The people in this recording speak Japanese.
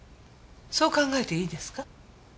そう考えていいですか？